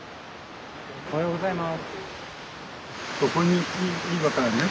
おはようございます。